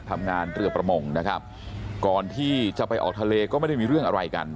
ทำงานเรือประมงนะครับก่อนที่จะไปออกทะเลก็ไม่ได้มีเรื่องอะไรกัน